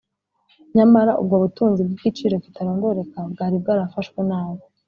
nyamara ubwo butunzi bw’igiciro kitarondoreka bwari bwarafashwe nabi